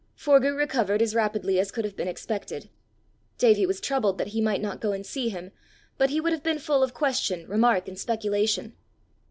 Forgue recovered as rapidly as could have been expected. Davie was troubled that he might not go and see him, but he would have been full of question, remark, and speculation!